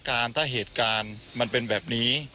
คุณทัศนาควดทองเลยค่ะ